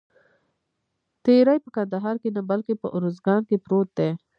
تیری په کندهار کې نه بلکې په اوروزګان کې پروت دی.